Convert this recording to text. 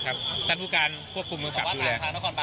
แล้วก็มีผู้การควบคุมกับดูแล